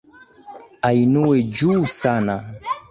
Ainuliwe juu sana.